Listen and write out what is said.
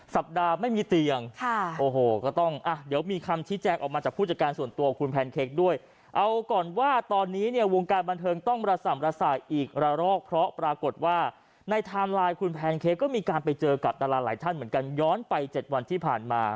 ที่ผ่านมานะฮะก่อนที่เธอจะไปตรวจเพราะว่าติดโควิด๑๙